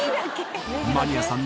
マニアさん